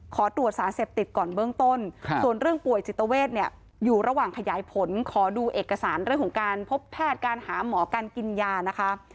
ขอตรวจสารเสพติดก่อนเบื้องต้นส่วนเรื่องป่วยจิตเวทเนี่ยอยู่ระหว่างขยายผลขอดูเอกสารเรื่องของการพบแพทย์การหาหมอการกินยานะคะ